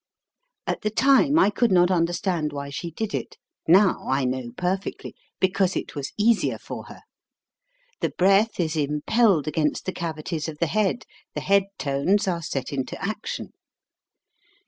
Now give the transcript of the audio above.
At the time I could not understand why she did it; now I know perfectly, because it was easier for her. The breath is impelled against the cavities of the head, the head tones are set into action.